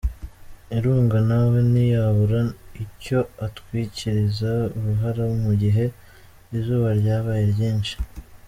Irunga nawe ntiyabura icyo atwikiriza uruhara mugihe izuba ryabaye ryinshi.